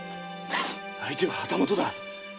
相手は旗本だ。